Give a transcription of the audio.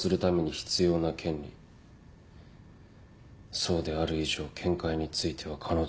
そうである以上見解については彼女。